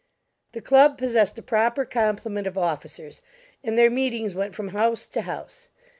The club possessed a proper complement of officers, and their meetings went from house to house.